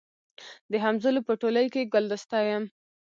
د همزولو په ټولۍ کي ګلدسته یم